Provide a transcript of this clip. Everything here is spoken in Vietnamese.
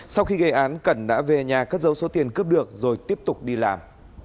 sau khi gây án cẩn đã về nhà cất giấu số tiền cướp được rồi tiếp tục đi làm